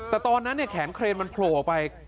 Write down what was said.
แต่ตอนนั้นแขนเครนมันโผล่ออกไป